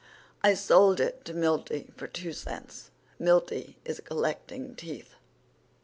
I sold it to Milty for two cents. Milty's collecting teeth."